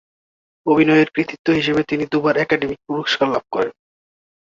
অভিনয়ের কৃতিত্ব হিসেবে তিনি দুবার একাডেমি পুরস্কার লাভ করেন।